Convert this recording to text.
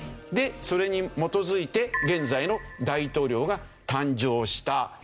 でそれに基づいて現在の大統領が誕生した。